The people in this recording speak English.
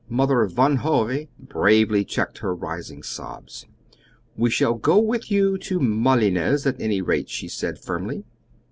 Mother Van Hove bravely checked her rising sobs. "We shall go with you to Malines, at any rate," she said firmly.